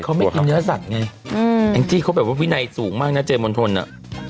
เขาไม่กินเนื้อสัตว์ไงที่เขาแบบวินัยสูงมากนะเจมส์มณฑลน่ะ